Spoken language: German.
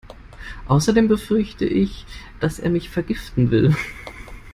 Außerdem befürchte ich, dass er mich vergiften will.